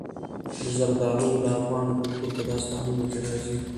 زردالو د افغان کلتور په داستانونو کې راځي.